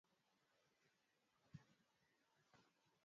baada kushuhudiwa akiachwa mara kwa mara